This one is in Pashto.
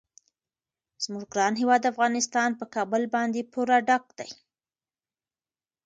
زموږ ګران هیواد افغانستان په کابل باندې پوره ډک دی.